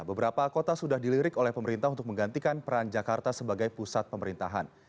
beberapa kota sudah dilirik oleh pemerintah untuk menggantikan peran jakarta sebagai pusat pemerintahan